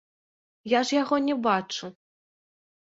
Я ж яго не бачу.